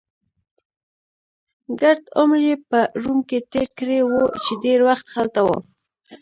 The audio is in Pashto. ګرد عمر يې په روم کې تېر کړی وو، چې ډېر وخت هلته و.